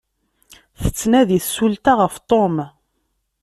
Tettnadi tsulta ɣef Tom.